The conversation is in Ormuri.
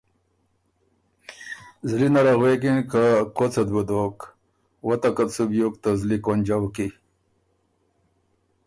زلی نره غوېکِن که کؤڅ ات بُو دوک، وتکت سُو بیوک ته زلی کونجؤ کی۔